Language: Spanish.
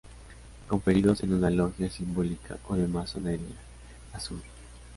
Conferidos en una Logia Simbólica o de Masonería Azul.